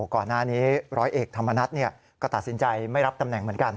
ก่อนหน้านี้ร้อยเอกธรรมนัฐก็ตัดสินใจไม่รับตำแหน่งเหมือนกัน